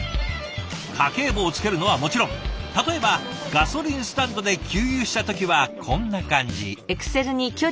家計簿をつけるのはもちろん例えばガソリンスタンドで給油した時はこんな感じ。